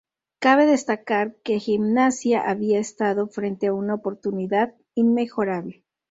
Cabe destacar que Gimnasia había estado frente a una oportunidad inmejorable.